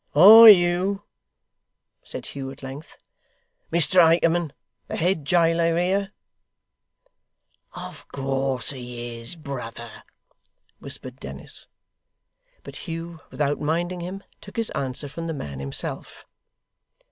'Are you,' said Hugh at length, 'Mr Akerman, the head jailer here?' 'Of course he is, brother,' whispered Dennis. But Hugh, without minding him, took his answer from the man himself.